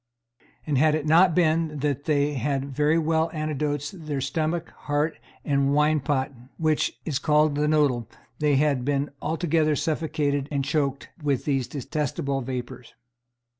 And had it not been that they had very well antidoted their stomach, heart, and wine pot, which is called the noddle, they had been altogether suffocated and choked with these detestable vapours.